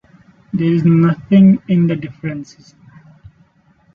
There is nothing in the differences.